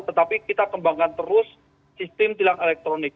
tetapi kita kembangkan terus sistem tilang elektronik